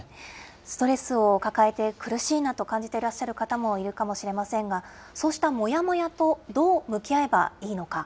ストレスを抱えて苦しいなと感じていらっしゃる方もいるかもしれませんが、そうしたもやもやとどう向き合えばいいのか。